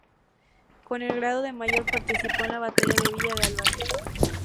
Con el grado de Mayor participó en la Batalla de Villa de Álvarez.